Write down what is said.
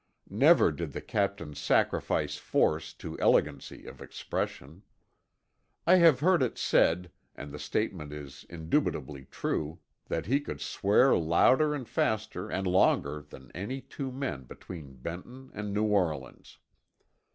Never did the captain sacrifice force to elegancy of expression. I have heard it said, and the statement is indubitably true, that he could swear louder and faster and longer than any two men between Benton and New Orleans.